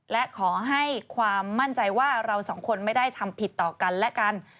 และขอให้ความมั่นใจว่าเราสองคนไม่ได้ทำผิดต่อกันและกัน